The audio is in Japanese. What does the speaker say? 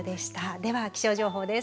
では、気象情報です。